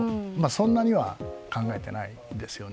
そんなには考えてないですよね。